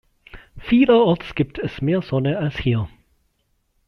Vielerorts gibt es mehr Sonne als hier.